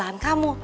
di sekolahan kamu